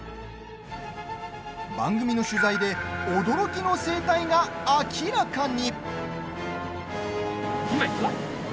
番組の取材で驚きの生態が明らかに。